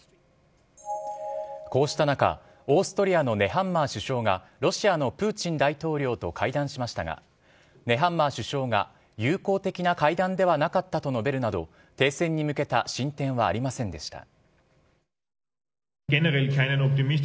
こうした中、オーストリアのネハンマー首相がロシアのプーチン大統領と会談しましたが、ネハンマー首相が友好的な会談ではなかったと述べるなど、停戦に向けた進展はありませんでした。